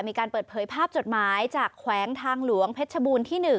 มีการเปิดเผยภาพจดหมายจากแขวงทางหลวงเพชรบูรณ์ที่๑